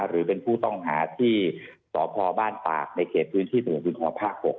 หรือเป็นผู้ต้องหาที่ตพบ้านปากในเขตพื้นที่ตพภ๖